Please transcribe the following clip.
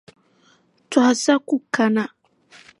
Tɔha sa ku kana.